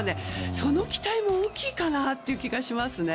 その期待も大きいかなという気がしますね。